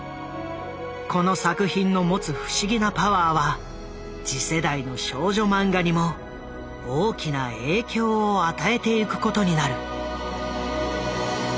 この作品の持つ不思議なパワーは次世代の少女マンガにも大きな影響を与えてゆくことになる。